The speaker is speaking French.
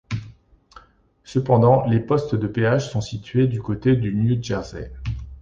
Cependant, les postes de péage sont situés du côté du New Jersey.